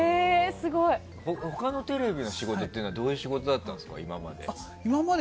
他のテレビの仕事ってどういう仕事だったんですか？